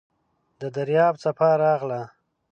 د دریاب څپه راغله .